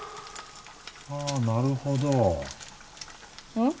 ああなるほどうん？